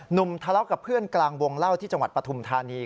ทะเลาะกับเพื่อนกลางวงเล่าที่จังหวัดปฐุมธานี